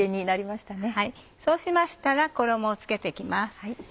そうしましたら衣を付けて行きます。